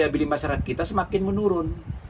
daya beli masyarakat kita semakin menurun